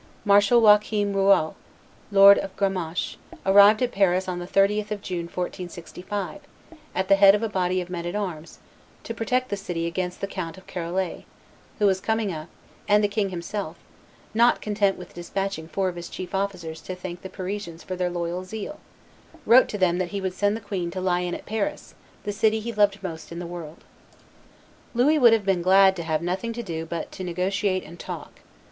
Marshal Joachim Rouault, lord of Gamaches, arrived at Paris on the 30th of June, 1465, at the head of a body of men at arms, to protect the city against the Count of Charolais, who was coming up; and the king himself, not content with despatching four of his chief officers to thank the Parisians for their loyal zeal, wrote to them that he would send the queen to lie in at Paris, "the city he loved most in the world." Louis would have been glad to have nothing to do but to negotiate and talk.